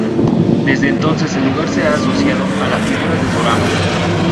Desde entonces el lugar se ha asociado a la figura de Doramas.